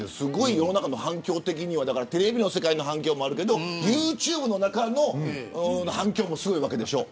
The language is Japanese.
世の中の反響的にはテレビの世界の反響もあるけどユーチューブの中の反響もすごいわけでしょ。